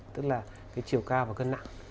tức là chiều cao và cân nặng